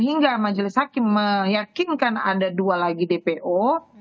hingga majelis hakim meyakinkan ada dua lagi dpo